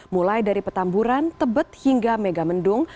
mulai dari petamburan tebet hingga megamendung